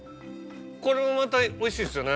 これもまたおいしいですよね。